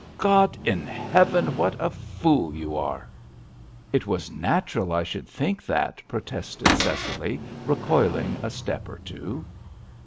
"God in heaven, what a fool you are!" "It was natural I should think that," protested Cecily, recoiling a step or two.